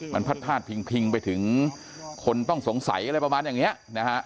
มันพัดพาดพิงไปถึงคนต้องสงสัยอะไรประมาณอย่างนี้นะฮะ